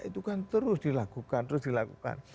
itu kan terus dilakukan terus dilakukan